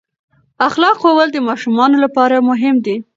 اخلاق ښوول د ماشومانو لپاره مهم دي.